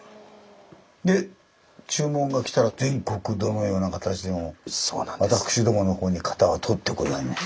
で注文が来たら全国どのような形でも私どものほうに型は取ってございます。